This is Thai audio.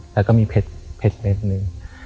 แล้วก็มีเพชรเม็ดนึง